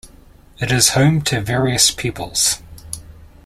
It is home to various peoples.